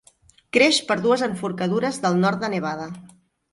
Creix per dues enforcadures del nord de Nevada.